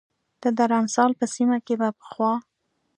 د درمسال په سیمه کې به پخوا